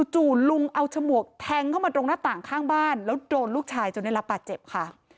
จู่ลุงเอาฉมวกแทงเข้ามาตรงหน้าต่างข้างบ้านแล้วโดนลูกชายจนได้รับบาดเจ็บค่ะ